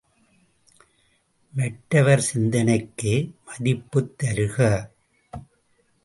மற்றவர் சிந்தனைக்கு மதிப்புத் தருக!